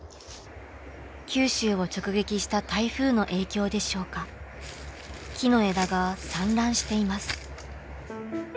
九州を直撃した台風の影響でしょうか木の枝が散乱しています。